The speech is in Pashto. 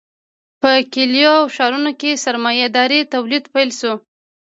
په کلیو او ښارونو کې سرمایه داري تولید پیل شو.